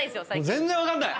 全然分かんない！